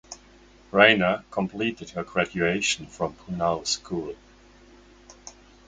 Reiner completed her graduation from Punahou School.